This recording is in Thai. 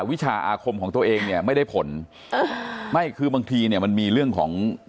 วิชาอาคมของตัวเองเนี่ยไม่ได้ผลเออไม่คือบางทีเนี่ยมันมีเรื่องของ